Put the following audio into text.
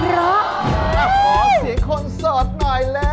ขอเสียงคนโสดหน่อยแล้ว